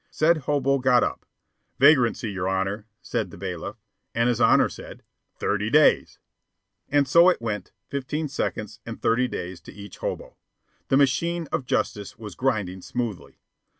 Said hobo got up. "Vagrancy, your Honor," said the bailiff, and his Honor said, "Thirty days." And so it went, fifteen seconds and thirty days to each hobo. The machine of justice was grinding smoothly.